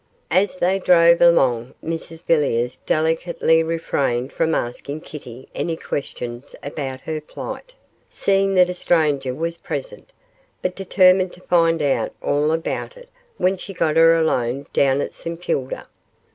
As they drove along, Mrs Villiers delicately refrained from asking Kitty any questions about her flight, seeing that a stranger was present, but determined to find out all about it when she got her alone down at St Kilda.